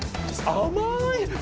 甘い！